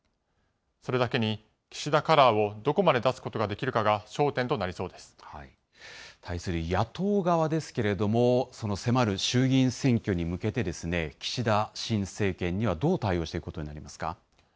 それだけに、岸田カラーをどこまで出すことができるかが、焦点と対する野党側ですけれども、その迫る衆議院選挙に向けて、岸田新政権には、どう対応していくことになりますか。